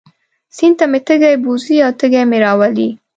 سیند ته مې تږی بوځي او تږی مې راولي.